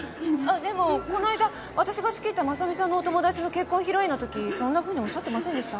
でもこの間私が仕切った真実さんのお友達の結婚披露宴の時そんなふうにおっしゃってませんでした？